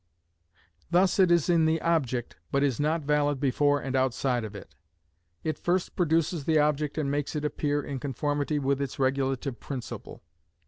Thus it is in the object, but is not valid before and outside of it; it first produces the object and makes it appear in conformity with its regulative principle.